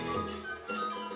supaya beliau lebih khusus